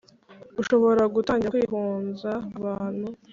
ushobora gutangira kwihunza abantu